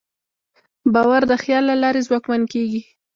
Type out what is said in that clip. باور د خیال له لارې ځواکمن کېږي.